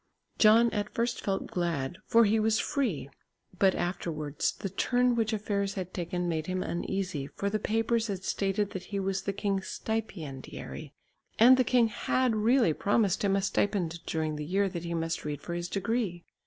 John at first felt glad, for he was free, but afterwards the turn which affairs had taken made him uneasy, for the papers had stated that he was the king's stipendiary, and the king had really promised him a stipend during the year that he must read for his degree.